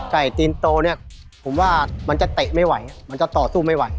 ตีนโตเนี่ยผมว่ามันจะเตะไม่ไหวมันจะต่อสู้ไม่ไหว